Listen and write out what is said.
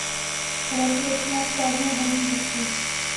Hra se začíná s prázdnou herní deskou.